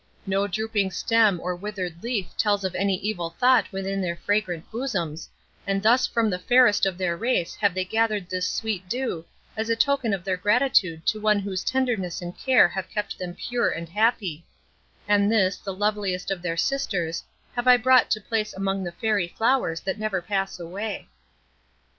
No drooping stem or withered leaf tells of any evil thought within their fragrant bosoms, and thus from the fairest of their race have they gathered this sweet dew, as a token of their gratitude to one whose tenderness and care have kept them pure and happy; and this, the loveliest of their sisters, have I brought to place among the Fairy flowers that never pass away."